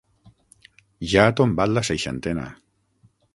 Ja ha tombat la seixantena.